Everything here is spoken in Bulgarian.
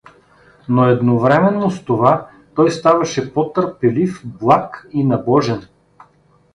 Но едновременно с това той ставаше по-търпелив, благ и набожен.